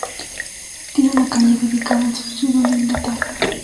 Tiene una calle dedicada en su ciudad natal.